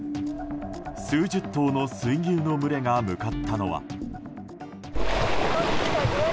数十頭の水牛の群れが向かったのは。